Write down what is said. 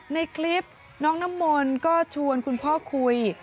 ในคลิปน้องน้ำมนต์ก็ชวนคุณพ่อคุย